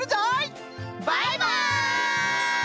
バイバイ！